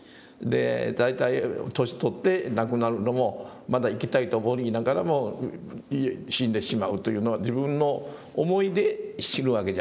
大体年取って亡くなるのもまだ生きたいと思いながらも死んでしまうというのは自分の思いで死ぬわけじゃないし。